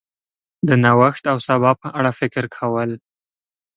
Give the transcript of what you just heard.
د نوښت او سبا په اړه فکر کول